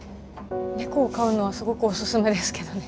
猫を飼うのはすごくオススメですけどね。